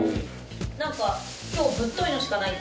なんか今日ぶっといのしかないって。